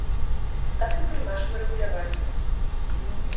Так і пры нашым рэгуляванні.